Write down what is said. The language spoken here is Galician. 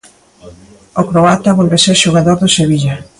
O croata volve ser xogador do Sevilla.